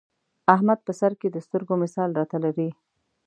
احمد په سرکې د سترګو مثال را ته لري.